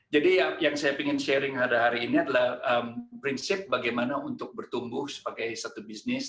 jadi yang saya ingin sharing hari hari ini adalah prinsip bagaimana untuk bertumbuh sebagai satu bisnis